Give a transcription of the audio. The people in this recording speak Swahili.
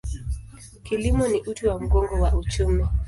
Kilimo ni uti wa mgongo wa uchumi.